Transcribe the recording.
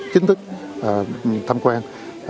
chính thức tham quan